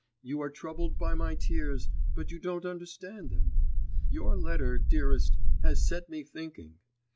You are troubled by my tears ... but you don't understand them. Your letter, dearest, has set me thinking.